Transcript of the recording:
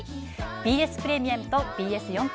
ＢＳプレミアムとＢＳ４Ｋ